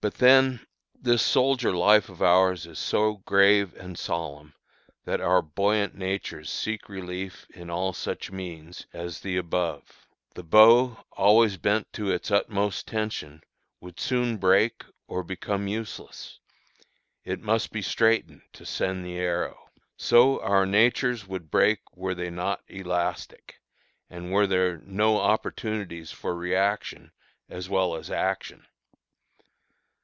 But, then, this soldier life of ours is so grave and solemn that our buoyant natures seek relief in all such means as the above. The bow, always bent to its utmost tension, would soon break or become useless; it must be straightened to send the arrow. So our natures would break were they not elastic, and were there no opportunities for reaction as well as action.